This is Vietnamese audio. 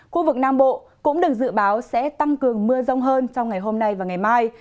khu vực nam bộ cũng được dự báo sẽ tăng cường mưa rông hơn trong ngày hôm nay và ngày mai